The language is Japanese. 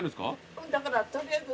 うんだから取りあえず。